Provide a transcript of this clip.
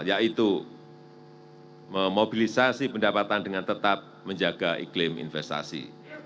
yaitu memobilisasi pendapatan dengan tetap menjaga iklim investasi